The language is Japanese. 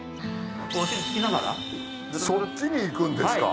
そっちに行くんですか。